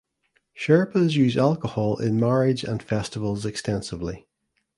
Sherpas uses alcohol in marriage and festivals extensively.